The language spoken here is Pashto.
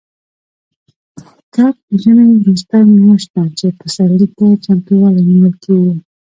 کب د ژمي وروستۍ میاشت ده، چې پسرلي ته چمتووالی نیول کېږي.